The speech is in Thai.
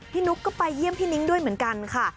นุ๊กก็ไปเยี่ยมพี่นิ้งด้วยเหมือนกันค่ะ